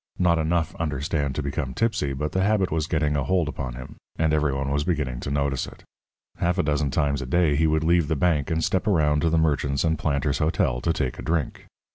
Not enough, understand, to become tipsy, but the habit was getting a hold upon him, and every one was beginning to notice it. Half a dozen times a day he would leave the bank and step around to the Merchants and Planters' Hotel to take a drink. Mr.